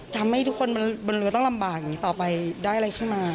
ทำให้ทุกคนบนรัวต้องลำบากต่อไปได้อะไรขึ้นมา